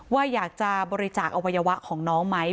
ว่าอยากจะบริจาคอวัยวะของน้องไหม